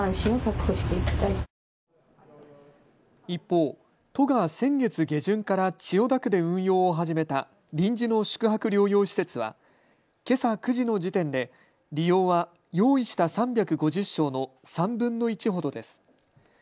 一方、都が先月下旬から千代田区で運用を始めた臨時の宿泊療養施設はけさ９時の時点で利用は用意した３５０床の３分の１ほどです。